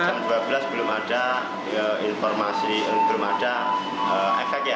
kita juga belum ada informasi belum ada akibat belum ada